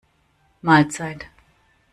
Mahlzeit!